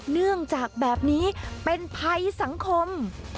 เนื่องจากแบบนี้เป็นภัยสังคม